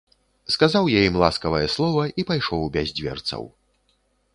Сказаў я ім ласкавае слова і пайшоў без дзверцаў.